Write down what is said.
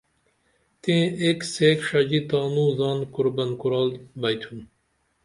تئیں ایک سیک ڜژی تانو زان قربن کُرال بیئتُھن